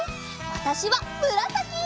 わたしはむらさき！